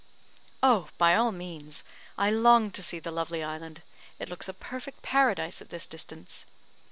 "Oh, by all means. I long to see the lovely island. It looks a perfect paradise at this distance."